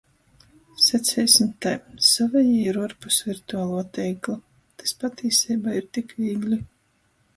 Saceisim tai – sovejī ir uorpus virtualuo teikla. tys patīseibā ir tik vīgli.